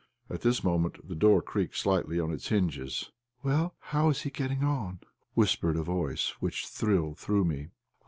At this moment the door creaked slightly on its hinges. "Well, how is he getting on?" whispered a voice which thrilled through me.